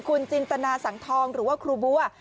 คุณจินตนาสังทองหรือว่าครูบัว